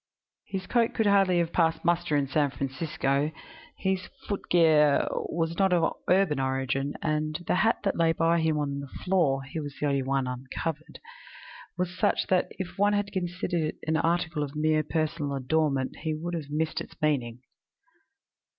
His coat would hardly have passed muster in San Francisco: his footgear was not of urban origin, and the hat that lay by him on the floor (he was the only one uncovered) was such that if one had considered it as an article of mere personal adornment he would have missed its meaning.